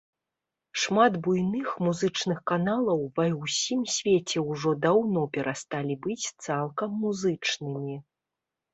Шмат буйных музычных каналаў ва ўсім свеце ўжо даўно перасталі быць цалкам музычнымі.